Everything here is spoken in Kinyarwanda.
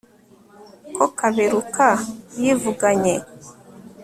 ko kaberuka yivuganye